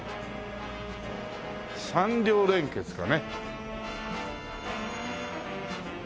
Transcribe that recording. ３両連結かね。